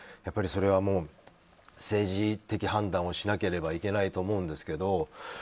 それは政治的判断をしなければいけないと思うんですけど。